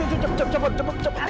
oh ya ya tuhan